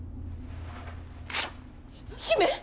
姫！